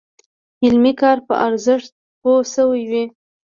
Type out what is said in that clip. علمي کار په ارزښت پوه شوي وي.